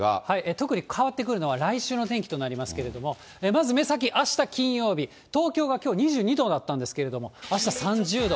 特に変わってくるのは、来週の天気となりますけれども、まず目先、あした金曜日、東京がきょう２２度だったんですけれども、あした３０度。